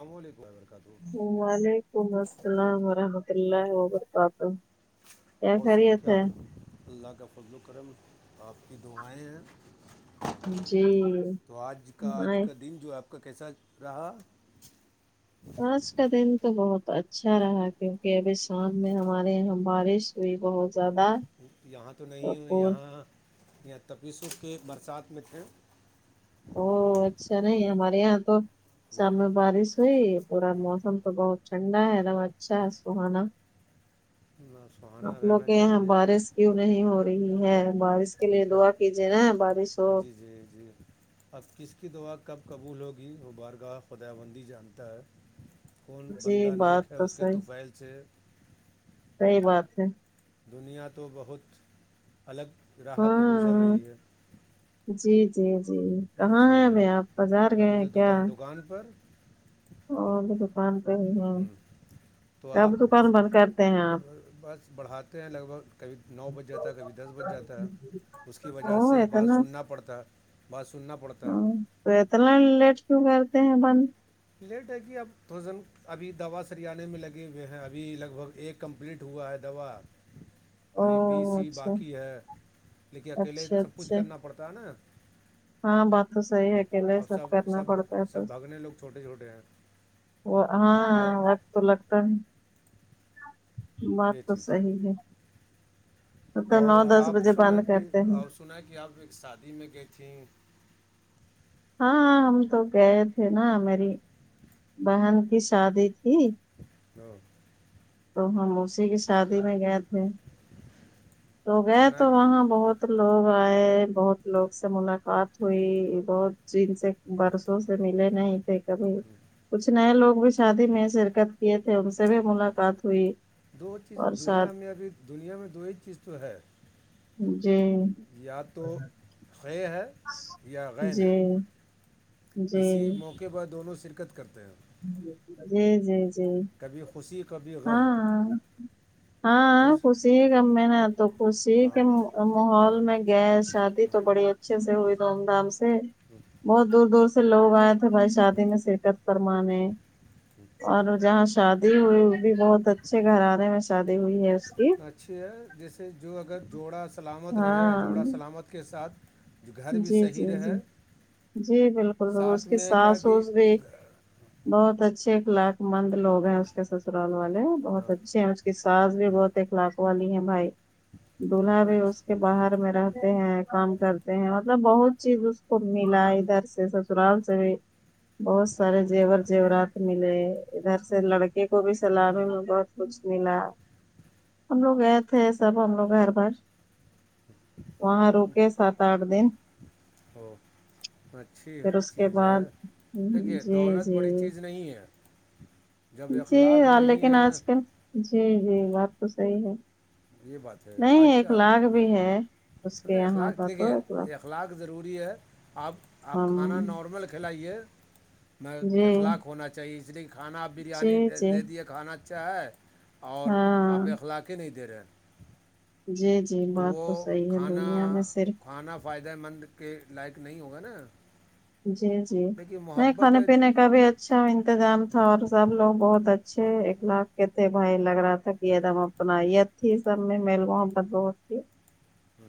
اللاملم و برکاتہ وعلیکم السلام ورحمۃ اللہ وبرکاتہ اور سب خری ای کیا تھے اللہ کا فضل و کرم آپ کی دعائیں ہیں جی تو آج کا آج آئے کا دن جو آپ کا کیسا رہا آج کا دن تو بہت اچھا رہا کیونکہ ابھی شام میں ہمارے یہاں بارش کوئی بہت زیادہ یہاں تو نہیں یہاں یہ تپسل کے برسات میں تھے او اچھا نہیں ہمارے یہاں تو شام میں بارش ہوئی پورا موسم تو بہت ٹھنڈا ہے ایک دم اچھا ہے سہانا ہاں سو آپ لوگ کے یہاں بارش کیوں نہیں ہو رہی ہے بارش کے لیے اب کیا دعا کیجیے نا بارش ہو جی جی اب کس کی دعا کب قبول ہوگی وہ بارگاہ خدا بندی جانتا ہے کون جی بندہ نیک بات ہے تو اس کے طوفل سے صحی بات ہے دنیا تو بہت الگ راہ پر گزر ہاں رہی ہے جی جی جی یہ کہاں ہے چیز اب آپ بازار ابھی گئے تو ہیں کیا دکان دکان پر اور بھی دکان پہ ہی ہیں تو آپ کب دکان بند کرتے ہیں آپ بس بڑھاتے ہیں لگ بھگ کبھی نو بج جاتا ہے کبھی دس بج جاتا ہے جی اس کی وجہ سے بات سننا پڑتا بات سننا پڑتا ہاں، تو اتنا لیٹ کیوں کرتے ہیں بند لیٹ ہے کہ اب تھوزن ابھی دوا سرییااننے میں لگے ہوئے ہیں ابھی لگ بھگ ایک کمپلیٹ ہوا ہے دوا او ابھی بی سی اچھا باقی ہے لیکن اکیلے اچھا سب کچھ اچھا کرنا پڑتا ہے نا ہاں بات تو صحی ہے اکیلے اب سب کرنا سب پڑتا ہے سب تو بھاگنے لوگ چھوٹے چھوٹے ہیں وہ آؤ ہاں تو لگتا نہیں بات یہ تو چیز صحی ہے تو نو اور دس آپ بجے بند سنا کہ کرتے ہیں اور سنا کہ آپ ایک شادی میں گئی تھیں ہاں ہم تو گئے تھے نا میری بہن کی شادی تھی ہاں تو ہم اسی کی شادی میں گئے تھے تو گئے سنا تو کہ وہاں بہت ب لوگ آئے بہت لوگ سے ملاقات ہوئی بہت چن سے برسوں سے ملے نہیں تھے کبھی کچھ نئے لوگ بھی شادی میں شرکت کیے تھے ان سے بھی ملاقات ہوئی دو چیز اور ساتھ دنیا میں ابھی دنیا میں دو ایک چیز تو ہے جی یا تو خے ہے یا غین جی ہے جی کسی موقع پر دونوں شرکت کرتے ہیں جی جی جی کبھی خوشی کبھی غم ہاں ہاں خوش خوشی کا میں نےا تو خوشی کے ہاں ماحول ہاں میں گئے شادی تو بڑی اچھے سے ہوئی دھوم دھام سے بہت دور دور سے لوگ آئے تھے بھائی شادی میں شرکت کرمانے اور جہاں شادی ہوئی بھی بہت اچھے گھرانے میں شادی ہوئی ہے اس کی اچھی ہے جیسے جو اگر جوڑا سلامت رہے ہاں جوڑا سلامت کے ساتھ جو گھر بھی جی صحیح جی جی رہے جی بالکل روز ساتھ کی میں کہا ساس کہ اس بھی بہت اچھے ایک لاک مند لوگ ہیں اس کے سسرال والے بہت ہاں اچھے ہیں کی ساز بھی بہت اخلاق والی ہے بھائی دوولہا بھی اچھا اس کے باہر میں رہتے ہیں کام کر مطلب بہت چیز اس کو ملا ادھر سے سسرال سے بھی بہت سارے جیور زیورات ملے ادھر سے لڑکے کو بھی سلابی میں بہت کچھ ملا ہم لوگ گئے تھے سب ہم لوگ گھر بھر وہاں رک سات آٹھ دن وہ اچھی پھر اس کے چیز ہے بعد دیکھیے جی دولت جی بڑی چیز نہیں ہے جب جی اخلاق آ- نہیں لیکن ہیں آج کل جی جی بات تو صحیح ہے یہ بات ہے نہیں آج ایک کا لاکگ بھی ہے اس کے نہیں یہاں اخلاق کا تو دیکھیے ایک وق اخلاق ضروری ہے آپ آپ ہم کھانا نارمل کھلائیے میں جی اخلاق ہونا چاہیے اس لیے کھانا آپ جی بریانی جی دے دیے کھانا اچھا ہے اور آپ ہاں اخلاقی نہیں دے رہے ہیں جی جی بات وہ تو صحیح ہے کھانا دنیا میں صرف کھانا فائدہ مند کے لائق نہیں ہوگا نا جی جی لیکن نہیں محبت کھانے ہے پینے کا بھی اچھا انتظام تھا اور سب لوگ بہت ہاں اچھے ایک لاکھ کہ تھے بھائی لگ رہا تھا کہ ایک دم اپنات تھی سب میں میل وہ پرت بہت تھی ہاں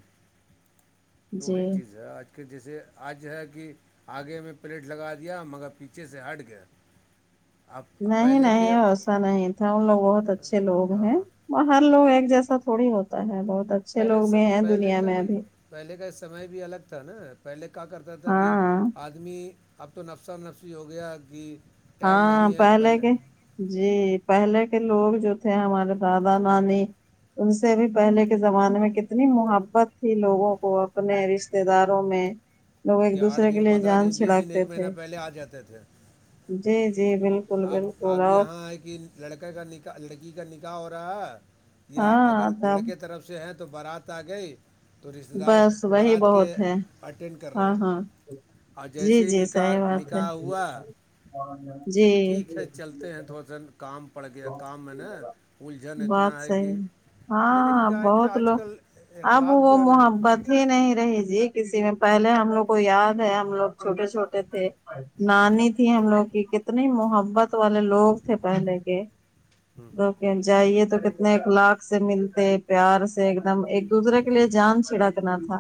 توی جی چیز ہے آج کہ جیسے آج ہے کہ آگے میں پلیٹ لگا دیا مگر پیچھے سے ہٹ گیا اب نہیں پہلے کے نہیں ایسا نہیں تھا ان لوگ بہت اچھے لوگ ہاں ہیں ہاں وہ ہر لوگ ایک جیسا تھوڑی ہوتا ہے بہت اچھے پہلے لوگ سب بھی ہیں پہلے دنیا کا میں بھی ابھی پہلے کا سمے بھی الگ تھا نا پہلے کیا کرتا تھا کہ ہاں آدمی اب تو نفسا نفسی ہو گیا کہ ٹائم ہاں نہیں ہے پہلے کے جی پہلے کے لوگ جو تھے ہمارے دادا نانی ان سے بھی پہلے کے زمانے میں کتنی محبت تھی لوگوں کو اپنے رشتے رشتے داروں میں لوگ ایک دوسرے کے لیے جان چھڑکتے تھے ےآ جاتے تھے جی جی بالکل اب بالکل اب اور یہاں ہے کہ لڑکے کا نکاح لڑکی کا نکاح ہو رہا ہے یا اگر ہاں تب لڑکے طرف سے سے ہیں تو بارات آ گئی تو رشتے دار بس وہی بارات کے بہت ہے اٹینڈ کر رہے ہاں ہیں ہاں اور جی جیسے ہی جی نکاح صحیح بات ہے نکاح ہوا جی ٹھیک ہے چلتے ہیں تھوڑا سا کام پڑ گیا کام میں نا الجھن بات اتنا ہے صحیح کہ ہے، میں ہاں نےا ہے کہ بہت آج کل اخلاق جو ہے نا ی نہیں رہی جی کسی میں پہلے ہم لوگ کو یاد ہے ہم لوگ چھوٹے چھوٹے تھے نانی تھی ہم لوگ کی کتنی محبت والے لوگ تھے پہلے کے دوک جائیے تو کتنے اخلاق سے ملتے پیار ایک دم ایک دوسرے کے لیے جان چھڑکنا تھا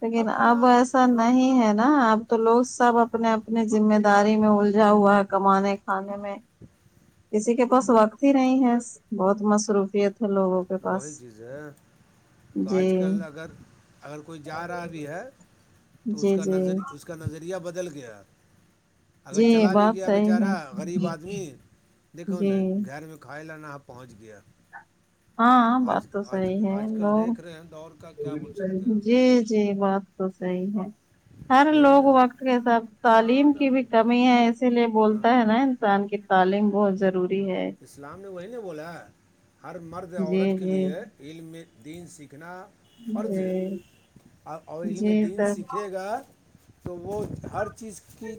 لیکن تو اب یہاں ایسا نہیں ہے نا اب تو لوگ سب اپنے اپنے ذمہ داری میں اللجھا ہوا ہے کمانے کا آ میں کسی کے پاس وقت ہی نہیں ہے بہت مصروفیت ہے لوگوں کے پاس وہی چیز ہے تو جی آج کل اگر اگر کوئی جا رہا بھی ہے تو اس جی کا جی نظری اس کا نظریہ بدل گیا ہے اگر جی چلا بھی بات گیا صحیح بیچارا ہے غریب آدمی دیکھو جی نا گھر میں کھائے لانا ہ پہنچ گیا ہاں بات آج تو آج صحی ہے آج کل لوگ دیکھ رہے ہیں دور کا کیا بول سکتے جی ہیں جی بات تو صحی ہے ہر وہی لوگ میں وقت کے حساتھ ہاں تعلیم تو کی بھی اب- کمی ہے اسی لیے ہاں بولتا ہے نا انسان کی تعلیم بہت ضروری ہے اسلام نے وہی نے بولا ہر مرد جی عورت کے جی لیے علم دین سیکھنا فرض ہے جی اور علم جی دین تب سیکھنا گا تو وہ ہر چیز کی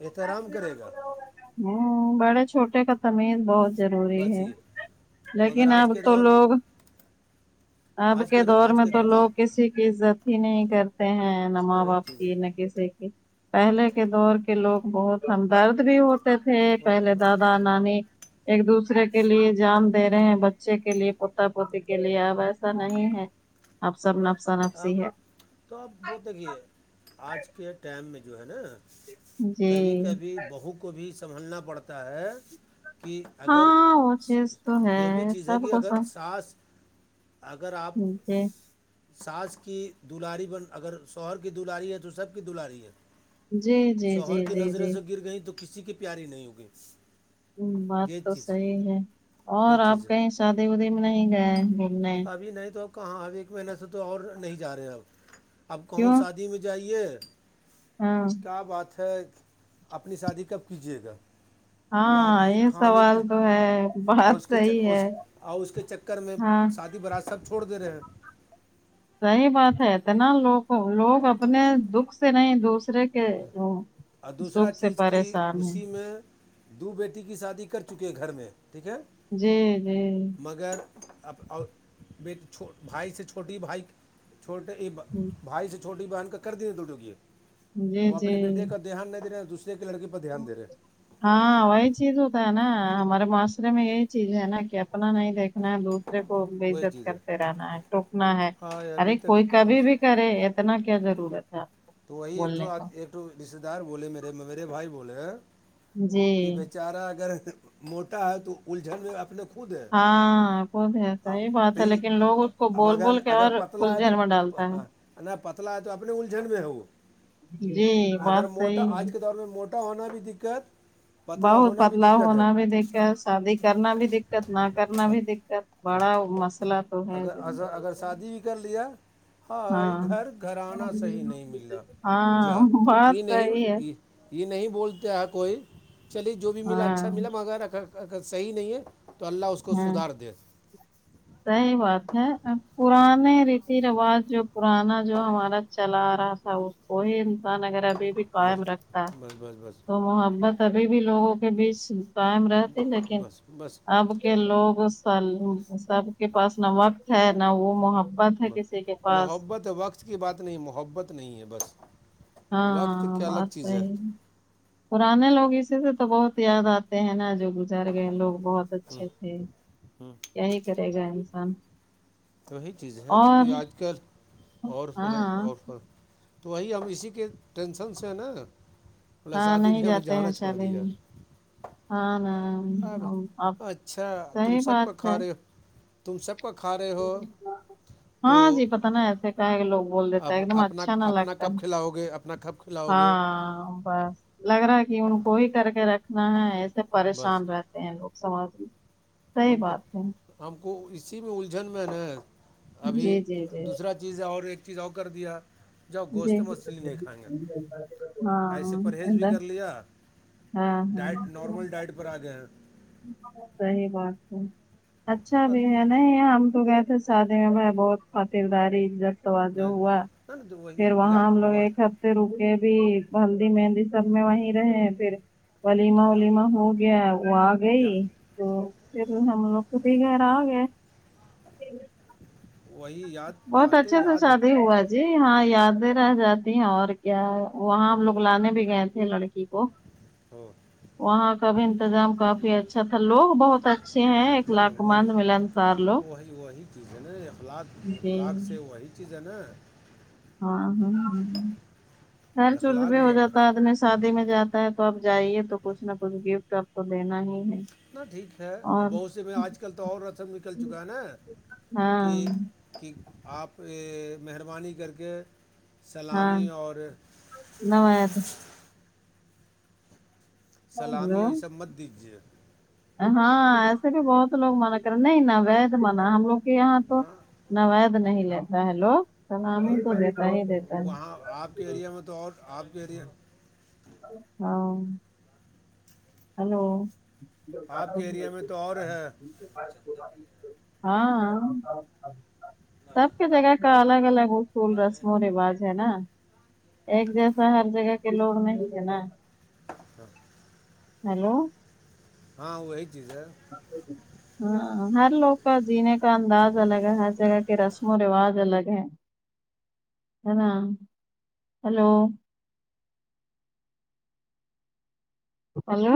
احترام کرے گا ہوں بڑے چھوٹے کا تمیز بہت ضروری بس ہے یہ لیکن مگر اب آج کے تو دور میں لوگ اب آج کے رو- دور آج میں کے تو دن جی لوگ کسی کی عزت ا نہیں کرتے ہیں نہ تو ماں وہی باپ چیز کی نہ ہے کسی کی پہلے کے دور کے لوگ بہت ہمدرد بھی ہوتے تھے وہاں پہلے ہاں دادا نانی ایک دوسرے کے لیے جان دے رہے ہیں بچے کے لیے پوتا پوتی کے لیے آ بس ایسا نہیں ہے اب سب نفسا اب نفسی ہے تو آپ بولتے کہے آج کے ٹائم میں جو ہے نا جی کبھی کبھی بہو کو بھی سنبھلنا پڑتا ہے کہ اگر ہاں وہ چیز تو ہے یہ بھی چیز ہے سب کہ کو اگر سب سانس اگر آپ جی سانس کی دلاری بن اگر شوہر کی دلاری ہے تو سب کی دلاری ہے جی جی شوہر جی کی جی نظریں جی سے گر گئیں تو کسی کی پیاری نہیں ہوگئی ہ بات تو صحی ہے اور یہ آپ چیز ہے کہیں شادی ودی میں نہیں گئے گھومنے اھی نہیں تو کہاں ا ایک مہینہ سے تو اور نہیں جا رہے اب اب کہوں کیوں شادی میں جائیے ہاں کیا بات ہے اپنی شادی کب کیجیے گا اب ہاں آدمی یہ کھانے سوال کےے تو ہے بات اور صحیح ہے اور اس کے چکر کر میں ہاں شادی برات سب چھوڑ د رہے ہیں صحیح بات ہے اتنا لوگ لوگ اپنے دکھ سے نہیں د اور دوسرا چیز کہ پریشان ہیں اسی میں دو بیٹی کی شادی کر چکے گھر میں ٹھیک ہے جی جی مگر اور بیھ بھائی سے چھوٹی بھائی چھوٹے ای بھائی سے چھوٹی بہن کا کر دیی دو ٹوکیے جی وہ جی اپنے بیٹے کا دھیان نہیں دے رہا دوسرے کے لڑکی پر دھیان دے رہے ہاں وہی چیز ہوتا ہے نا ہمارے معاشرے میں یہی چیز ہے نا کہ اپنا نہیں دیکھنا ہے دودھ رے کو ب وہی عزت چیز ہے کرتے رہنا ہے ٹوکنا ہے ہاں ابھی ارے تک کوئی کبھی دوسرے بھی کرے اتنا کیا ضرورت تھا تو وہی ایک ایک رشتے دار بولے مے میرے بھائی بولے جی چارا اگر موٹا ہے تو الجھن میں اپنے کو خود ہے ہاں وہ تو ہے صحیح بات ہے لیکن لوگ اس کو بول مگر بول کے اگر اور پتلا ہے تو الجھن میں ڈالتا ہے ہاں پتلا ہے تو اپنے الجھن میں ہو وہ جی اگر بات موٹا صحیح آج ہے کے دور میں موٹا چھا ہونا بھی دقت پتلا بہت ہونا بھی بدلاؤ دقت ہے ہونا بھی دقت شادی کرنا بھی دقت نہ کرنا بھی دقت بڑا مسئلہ تو ہے اگر زندگی اگر سے شادی بھی کر لیا ہاں گھر گھرانا صحیح نہیں ملا ہاں جا یہ بات صحیح ہے نہیں یہ نہیں بولتے آ کوئی چلیے جو بھی ملا اچھا ملا ہاں مگر رکھ صحیح نہیں ہے ہاں ج صحیح بات ہے پرانے ریتی رواج جو پرانا جو ہمارا چلا آ رہا تھا اس وہی انسان اگر بھی بس قائم رکھتا ہے بس بس بس تو محبت ابھی بھی لوگوں کے بیچ ائم رہتے لیکن بس بس اب کے لوگ سب کے پاس نہ وقت ہے نہ وہ محت بس محبت ہے وقت کی بات نہیں محبت نہیں ہے بس وقت ہاں کیا بات الگ چیز صحی ہے پرانے لوگ اسی سے تو بہت یاد آتے ہیں نا جو گزر گئے لوگ بہت بہت اچھے تھے کیا ہی کرے گا انسان تو وہی چیز ہیں کہ اور آج کل اورن ہاں اور تو وہی ہم اسی کے ٹینشن سے ہیں نا پلس ہاں آدھی نہیں بھی ہمیں جاتے جانا ہیں چھوڑ شادی دیا میں ہاں اب اب اچھا صی بات ہے کھا رہے ہو تم سب کا کا رہے ہو تو ہاں جی پت نا ایسے کیا ہے لوگ بول دیتا آپ ایک دم اپنا اچھا نہ اپنا لگتا ہے کب کھلاؤ گے اپنا کب کھلاؤ گے ہاں بس لگ رہا ہے کہ ان کو ہی کر کے رکھنا ہے ایسے بس پریشان رہتے ہیں لوگ سماج میں صحیح ہم کو بات ہے ہم کو اسی میں الجھن میں نا ابھی جی جی جی دوسرا چیزیں اور ایک چیز اور کر دیا جاؤ جی گوشت مچھلی نہیں کھائیں گے ایسے ہاں پرہیز بھی ادھر کر لیا ہاں ڈائٹ نارمل ڈائٹ پر آ گئے ب صحی بات ہے اچھا بھی ہے نہیں تو کہ تھے شادی میں میں بہت خاطرداریب توا جو نہیں ہوا نہیں تو وہی پھر ہو- یاد وہاں ہم لوگ بات ایک ہفتے رکے بھی ہلدی مہندی سب میں وہیں رہے پھر تو ولیما ولیما یاد ہو گیا وہ آگ یاد گئی تو پھر ہم لوگ تو دے گیر آ گئے وہی یاد بہت باتیں اچھے سے یاد شادی ہوا ہے جی ہاں یادیں رہ جاتی ہیں اور کیا ہے وہاں ہم لوگ لانے بھی گئے تھے لڑکی کو ہ وہاں کا بھی انتظام کافی اچھا تھا لوگ بہت اچا اچھے ہیں ایک نہ نا لق وہ مند مل لوگ انسار لوگ تو وہی وہی چیز ہے نا اخلاق جی اخلاق سے وہی چیز ہے نا ہاں ہاں ہ ہ ہیر چورج اخلاق بھی ہو جو ہوتا جاتا ہے ادنے شادی میں جاتا ہے تو آپ جائیے تو کچھ نہ کچھ گفٹ آپ کو دینا ہی ہے اتنا ٹھیک ہے اور بہت سے میں آج کل تو اور رسم نکل چکا ہے نا ہاں کہ کہ آپ مہربانی کر کے سلامی اور نو یاد سلامی اوری سب مت دیجیے ہاں ایسے بھی بہت لوگ منع کریں نہیں نہ وید مان ہم لوگ کے یہاں تو ہاں نوید نہیں لیتا ہے لوگ سلام ہی تو ہاں دیتا ہی دیتا ہے وہاں آپ کے ایریا میں تو اور آپ کے ایرے ہاں ہلو آپ کے ایریا میں تو اور ہے ہاں سب کی جگہ کا الگ الگ اصول رسم و رواج ہے نا ایک جیسا ہر جگہ کے لوگ نہیں ہے نا [unintelligible] ہیلو ہاں وہی چیز ہے ہاں ہر لوگ کا جینے کا انداز الگ ہے ہر جگہ کے رسم و رواج الگ ہے [unintelligible] ہ ن ہلو ہیلو